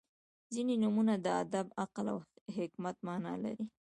• ځینې نومونه د ادب، عقل او حکمت معنا لري.